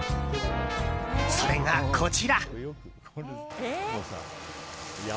それが、こちら。